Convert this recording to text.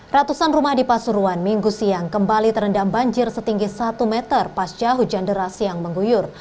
ratusan rumah di pasuruan minggu siang kembali terendam banjir setinggi satu meter pasca hujan deras yang mengguyur